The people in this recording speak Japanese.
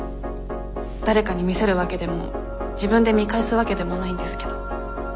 誰かに見せるわけでも自分で見返すわけでもないんですけど。